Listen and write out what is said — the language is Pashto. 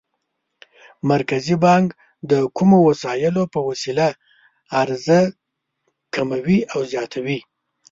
مرکزي بانک د کومو وسایلو په وسیله عرضه کموي او زیاتوي؟